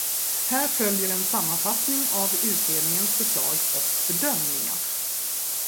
Här följer en sammanfattning av utredningens förslag och bedömningar.